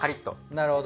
なるほど。